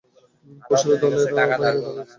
কৌশলী দলেরা বাইরে দাঁড়িয়ে আছে।